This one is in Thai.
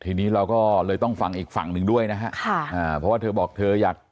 ที่นี่เราก็เลยต้องฟังอีกฝั่งด้วยนะฮะ